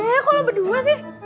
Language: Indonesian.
eh kok lo berdua sih